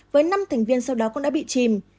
với năm thành viên sau đó cũng đã bị chìm